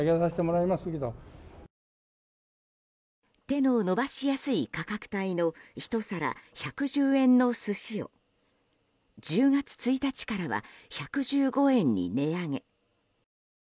手の伸ばしやすい価格帯の１皿１１０円の寿司を１０月１日からは１１５円に値上げ。